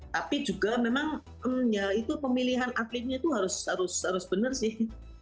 tapi juga memang ya itu pemilihan atletnya itu harus bener sih